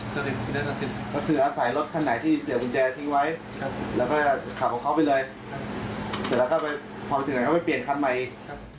เสร็จแล้วก็พอถืออาศัยก็ไปเปลี่ยนขั้นใหม่อีก